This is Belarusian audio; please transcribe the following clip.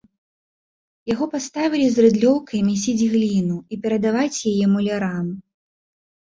Яго паставілі з рыдлёўкай мясіць гліну і перадаваць яе мулярам.